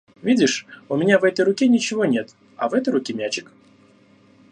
Видишь у меня в этой руке ничего нет, а в этой руке мячик.